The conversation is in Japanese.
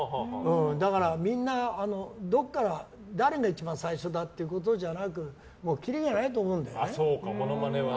だから、みんな誰が一番最初だっていうことじゃなくきりがないと思うんだよね。